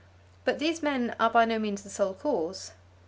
But these men are by no means the sole cause.